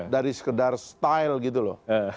dari sekedar style gitu loh